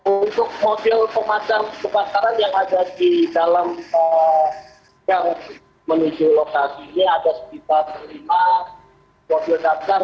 untuk mobil pemadam kebakaran yang ada di dalam yang menuju lokasi ini ada sekitar lima mobil damkar